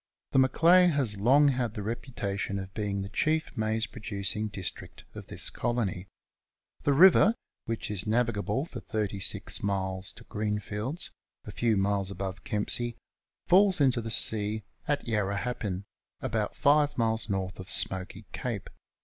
The Macleay has long had the reputation of being the chief maize producing district of this Colony. The river, which is navigable for 36 miles to Grreenfield's, a few miles above Kempsey, falls into the sea at Yarrahappin, about 5 miles N. of Smoky Cape.